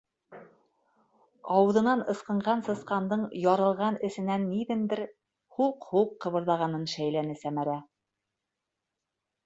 Ауыҙынан ысҡынған сысҡандың ярылған эсенән ниҙендер һулҡ-һулҡ ҡыбырҙағанын шәйләне Сәмәрә.